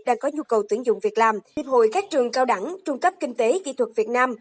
đang có nhu cầu tuyển dụng việc làm hiệp hội các trường cao đẳng trung cấp kinh tế kỹ thuật việt nam